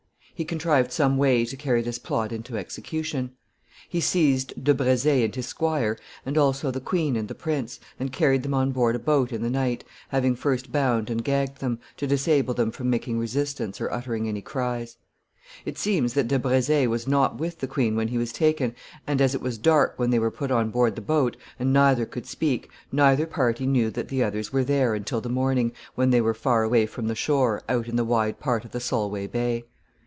He contrived some way to carry this plot into execution. He seized de Brezé and his squire, and also the queen and the prince, and carried them on board a boat in the night, having first bound and gagged them, to disable them from making resistance or uttering any cries. It seems that De Brezé was not with the queen when he was taken, and as it was dark when they were put on board the boat, and neither could speak, neither party knew that the others were there until the morning, when they were far away from the shore, out in the wide part of the Solway Bay.